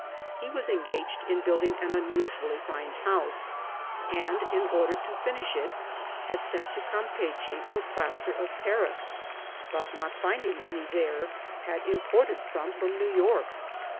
He was en gaged in building an unusually fine house, and in order to finish it had sent to Campeachy for plaster of Paris, but not finding any there, had imported some from New York.